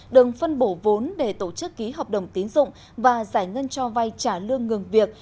đừng phân bổ vốn để tổ chức ký hợp đồng tiến dụng và giải ngân cho vay trả lương ngừng việc